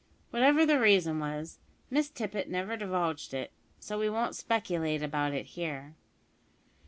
Whatever the reason was, Miss Tippet never divulged it, so we won't speculate about it here.